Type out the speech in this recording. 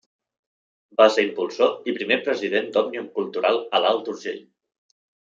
Va ser impulsor i primer president d'Òmnium Cultural a l'Alt Urgell.